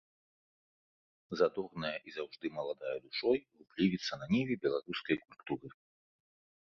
Задорная і заўжды маладая душой руплівіца на ніве беларускай культуры.